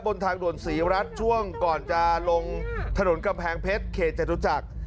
บนทางด่วนศรีรัฐช่วงก่อนจะลงถนนกำแพงเพชรเขตจตุจักร